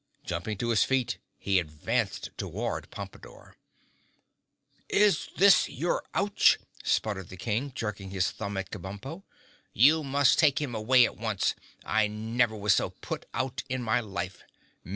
Jumping to his feet he advanced toward Pompadore. "Is this your Ouch?" spluttered the King, jerking his thumb at Kabumpo. "You must take him away at once. I never was so put out in my life.